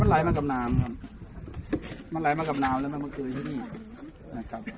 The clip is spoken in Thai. มันไหลมากับน้ำแล้วมันมาเกลืออยู่ที่นี่นะครับ